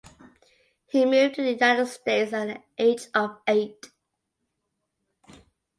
He moved to the United States at the age of eight.